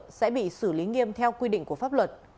các đối tượng sẽ bị xử lý nghiêm theo quy định của pháp luật